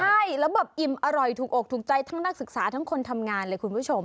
ใช่แล้วแบบอิ่มอร่อยถูกอกถูกใจทั้งนักศึกษาทั้งคนทำงานเลยคุณผู้ชม